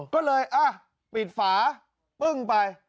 ก็เลยปิดฝาปึ้งไป